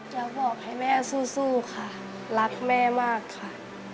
อยากบอกให้แม่สู้ค่ะรักแม่มากค่ะ